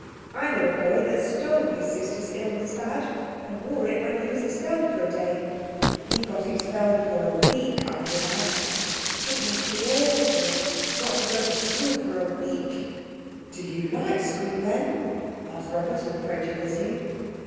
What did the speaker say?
I know a boy that stole his sister's illness badge and wore it when he was expelled for a day. He got expelled for a week for that. It must be awful not to go to school for a week." "Do you like school, then?" asked Robert incredulously.